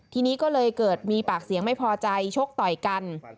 ทีนี้ก็เลยเกิดมีปากเสียงไม่พอใจชกต่อยกัน